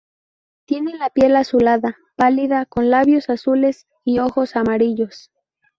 Tiene la piel azulada, pálida, con labios azules y ojos amarillos.